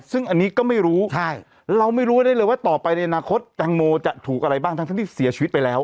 ซึ่งอันนี้ก็ไม่รู้เราไม่รู้ได้เลยว่าต่อไปในอนาคตแตงโมจะถูกอะไรบ้างทั้งที่เสียชีวิตไปแล้ว